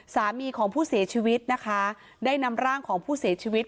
สามีของผู้เสียชีวิตนะคะได้นำร่างของผู้เสียชีวิต